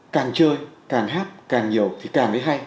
càng chơi càng hát càng nhiều thì càng mới hay